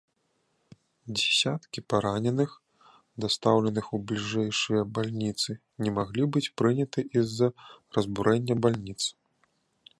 Дзесяткі параненых, дастаўленых у бліжэйшыя бальніцы, не маглі быць прыняты з-за разбурэнняў бальніц.